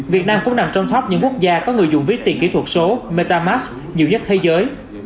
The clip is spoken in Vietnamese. việt nam cũng nằm trong top những quốc gia có người dùng viết tiền kỹ thuật số metam max nhiều nhất thế giới